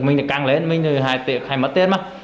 mình càng lên mình hay mất tiền mà